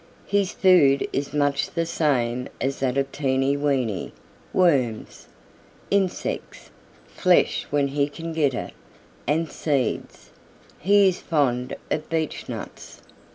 "His food is much the same as that of Teeny Weeny worms, insects, flesh when he can get it, and seeds. He is fond of beechnuts.